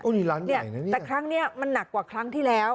อุ้ยร้านใหญ่นะเนี้ยแต่ครั้งเนี้ยมันหนักกว่าครั้งที่แล้ว